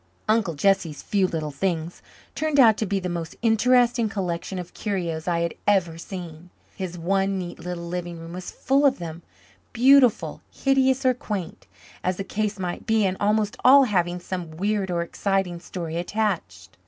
Uncle Jesse's "few little things" turned out to be the most interesting collection of curios I had ever seen. His one neat little living room was full of them beautiful, hideous or quaint as the case might be, and almost all having some weird or exciting story attached.